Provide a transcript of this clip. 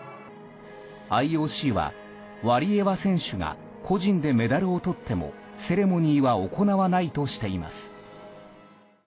ＩＯＣはワリエワ選手が個人でメダルをとってもセレモニーは行わないとしています。